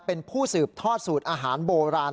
เป็นผู้สืบทอดสูตรอาหารโบราณ